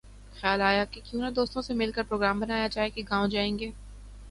خیال آیا کہ کیوں نہ دوستوں سے مل کر پروگرام بنایا جائے کہ گاؤں جائیں گے